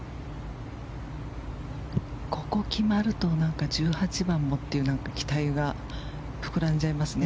ここ決まると１８番もという期待が膨らんじゃいますね